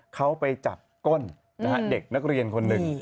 เขาไปจับก้นเด็กนักเรียนคนหนึ่ง